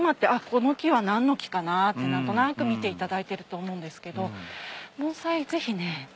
この木は何の木かな？って何となく見ていただいてると思うんですけど。